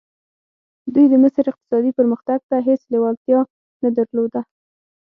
دوی د مصر اقتصادي پرمختګ ته هېڅ لېوالتیا نه درلوده.